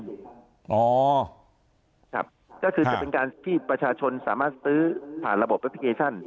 ครับก็คือจะเป็นการที่ประชาชนสามารถซื้อผ่านระบบแอปพลิเคชัน